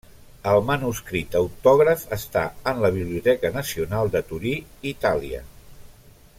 El manuscrit autògraf està en la Biblioteca Nacional de Torí, Itàlia.